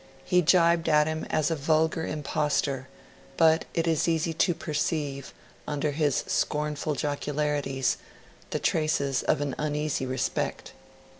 He jibed at him as a vulgar impostor; but it is easy to perceive, under his scornful jocularities, the traces of an uneasy respect.